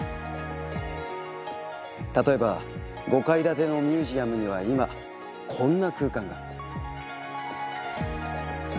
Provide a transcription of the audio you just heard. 例えば５階建てのミュージアムには今こんな空間が。